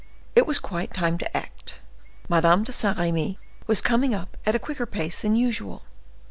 It was quite time to act; Madame de Saint Remy was coming up at a quicker pace than usual.